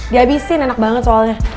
dihabisin enak banget soalnya